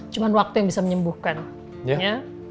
cuman waktu yang bisa menyembuhkannya